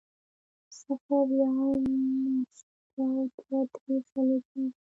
صفر يا نشت, يو, دوه, درې, څلور, پنځه